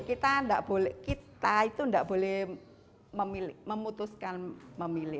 kita tidak boleh memutuskan memilih